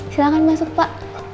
silahkan masuk pak